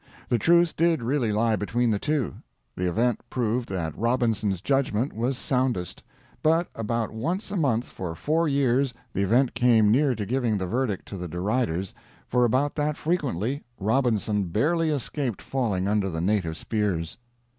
The truth did really lie between the two. The event proved that Robinson's judgment was soundest; but about once a month for four years the event came near to giving the verdict to the deriders, for about that frequently Robinson barely escaped falling under the native spears.